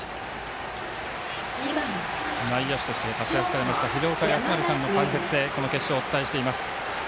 内野手として活躍されました廣岡資生さんの解説でこの決勝をお伝えしています。